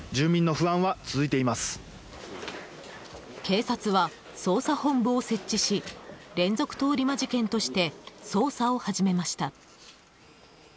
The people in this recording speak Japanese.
警察は捜査本部を設置し連続通り魔事件として捜査を始めました。